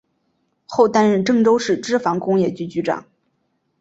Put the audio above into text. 后担任郑州市纺织工业局局长。